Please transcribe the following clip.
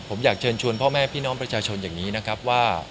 ผมอยากเชิญชวนพ่อแม่พี่น้องประชาชนอย่างนี้นะครับว่า